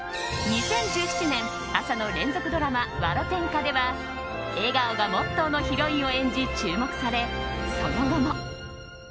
２０１７年、朝の連続ドラマ「わろてんか」では笑顔がモットーのヒロインを演じ注目され、その後も。